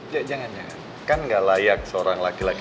ya jangan jangan kan gak layak seorang laki laki